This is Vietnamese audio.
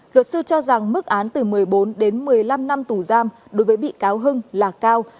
luật sư cho rằng mức án từ một mươi bốn đến một mươi năm năm tù giam đối với bị cáo hưng là cao